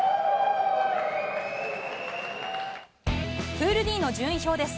プールＤの順位表です。